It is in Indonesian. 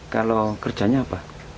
kalau kerjanya apa